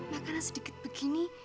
makanan sedikit begini